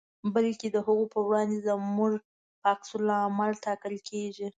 بلکې د هغو په وړاندې زموږ په عکس العمل ټاکل کېږي.